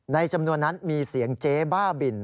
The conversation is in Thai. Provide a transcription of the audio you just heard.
จำนวนนั้นมีเสียงเจ๊บ้าบิน